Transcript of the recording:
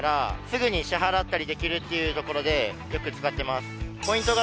すぐに支払ったりできるっていうところでよく使ってます。